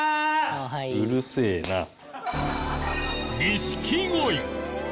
うるせえな。